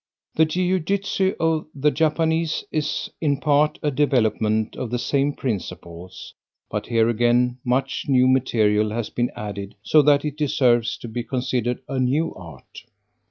The jiu jitsu of the Japanese is, in part, a development of the same principles, but here again much new material has been added, so that it deserves to be considered a new art.